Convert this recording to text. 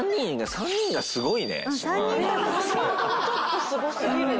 ３人ともちょっとすごすぎる！